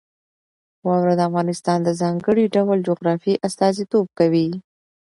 واوره د افغانستان د ځانګړي ډول جغرافیې استازیتوب کوي.